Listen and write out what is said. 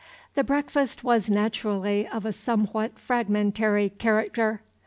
The breakfast was naturally of a somewhat fragmentary character.